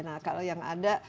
nah kalau yang ada